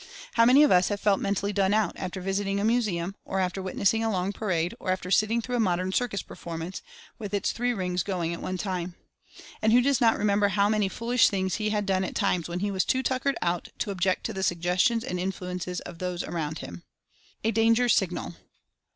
How many of us have felt mentally "done out" after visiting a museum, or after witnessing a long parade, or after sitting through a modern circus performance, with its three rings going at one time ? And who does not remember how many foolish things he had done at times when he was "too tuckered out" to object to the suggestions and influences of those around him. A DANGER SIGNAL.